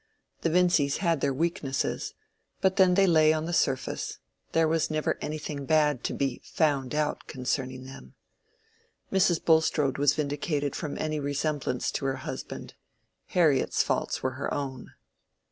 The Vincys had their weaknesses, but then they lay on the surface: there was never anything bad to be "found out" concerning them. Mrs. Bulstrode was vindicated from any resemblance to her husband. Harriet's faults were her own.